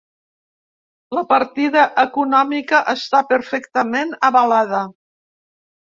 La partida econòmica està perfectament avalada.